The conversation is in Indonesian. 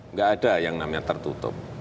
nggak ada yang namanya tertutup